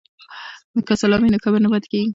که سلام وي نو کبر نه پاتیږي.